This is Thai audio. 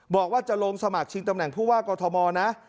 บอกว่าจะลงสมัครชิงตำแหน่งผู้ว่ากอทมนะ